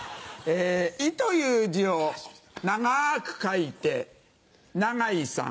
「井」という字を長く書いてナガイさん。